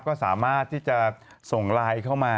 ก็สามารถส่งลายเข้ามา